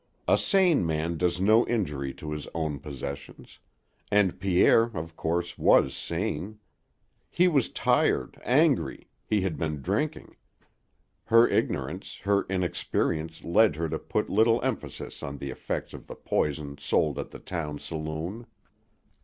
A sane man does no injury to his own possessions. And Pierre, of course, was sane. He was tired, angry, he had been drinking her ignorance, her inexperience led her to put little emphasis on the effects of the poison sold at the town saloon.